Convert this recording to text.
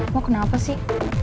lo kenapa sih